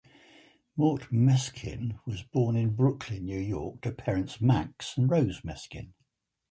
Mort Meskin was born in Brooklyn, New York to parents Max and Rose Meskin.